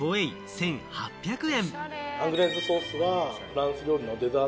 １８００円。